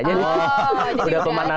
jadi sudah pemanasan